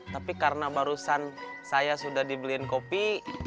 tapi karena barusan saya sudah dibeliin kopi